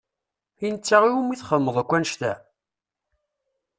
I netta i wumi txedmeḍ akk annect-a?